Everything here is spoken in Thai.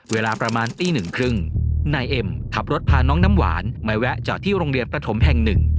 เวลาประมาณตีหนึ่งครึ่งนายเอ็มขับรถพาน้องน้ำหวานมาแวะจอดที่โรงเรียนประถมแห่งหนึ่ง